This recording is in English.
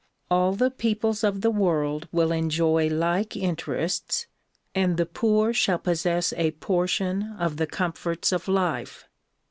All the peoples of the world will enjoy like interests and the poor shall possess a portion of the comforts of life.